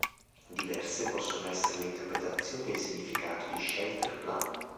Diverse possono essere le interpretazioni del significato di Shelter Plan.